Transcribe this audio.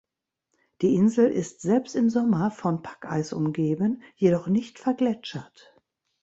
Die Insel ist selbst im Sommer von Packeis umgeben, jedoch nicht vergletschert.